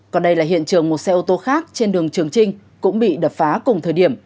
còn đây là hiện trường một xe ô tô khác trên đường trường trinh cũng bị đập phá cùng thời điểm